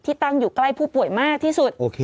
ตั้งอยู่ใกล้ผู้ป่วยมากที่สุด